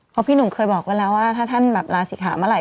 เพราะพี่หนุ่มเคยบอกวันแล้วถ้าท่านลาสิขาเมื่อไหร่